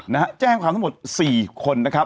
นะฮะแจ้งความทั้งหมดสี่คนนะครับ